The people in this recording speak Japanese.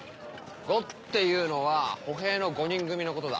伍っていうのは歩兵の５人組のことだ。